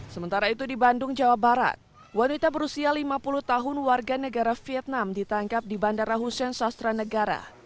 sementara itu di bandung jawa barat wanita berusia lima puluh tahun warga negara vietnam ditangkap di bandara hussein sastra negara